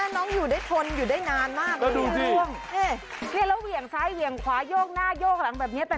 ดูทักษะเขาเหมือนไรให้ดูอ่ะ